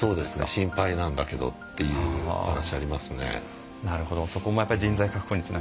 心配なんだけどっていう話ありますね。